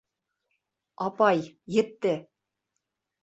Апай, етте!